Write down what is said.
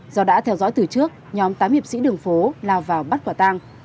do đã theo dõi từ trước nhóm tám hiệp sĩ đường phố lao vào bắt quả tang